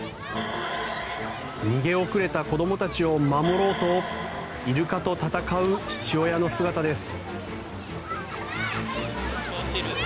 逃げ遅れた子どもたちを守ろうとイルカと戦う父親の姿です。